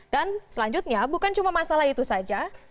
dan selanjutnya bukan cuma masalah itu saja